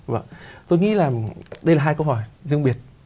vâng tôi nghĩ là đây là hai câu hỏi riêng biệt